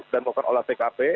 dan melakukan olah tkp